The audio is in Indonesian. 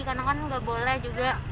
kan gak boleh juga